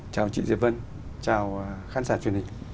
chào chị diệp vân chào khán giả truyền hình